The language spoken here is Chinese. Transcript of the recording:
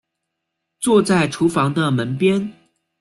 坐在厨房的门边